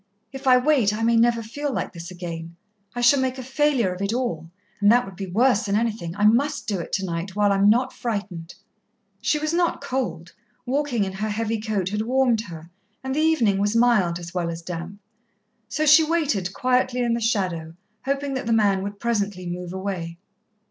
If I wait I may never feel like this again. I shall make a failure of it all, and that would be worse than anything. I must do it tonight, while I'm not frightened." She was not cold. Walking in her heavy coat had warmed her, and the evening was mild as well as damp. So she waited quietly in the shadow, hoping that the man would presently move away.